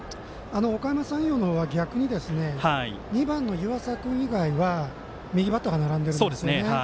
おかやま山陽は逆に２番の湯淺君以外は右バッターが並んでいるんですね。